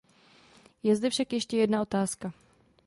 Je zde však ještě jedna otázka.